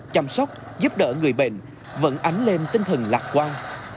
chăm sóc giúp đỡ người bệnh vẫn ánh lên tinh thần lạc quan